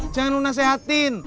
jangan lu nasihatin